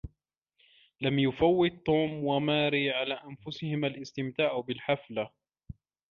لم يفوت توم وماري على أنفسهما الاستمتاع بالحفلة.